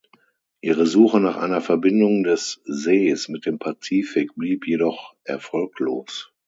Ihre Suche nach einer Verbindung des Sees mit dem Pazifik blieb jedoch erfolglos.